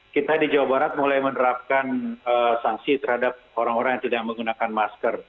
kita di jawa barat mulai menerapkan sanksi terhadap orang orang yang tidak menggunakan masker